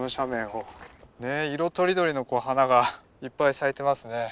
ねえ色とりどりの花がいっぱい咲いてますね。